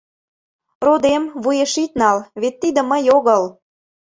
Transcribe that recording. — Родем, вуеш ит нал, вет тиде мый огыл.